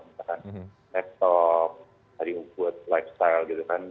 misalkan laptop hari buat lifestyle gitu kan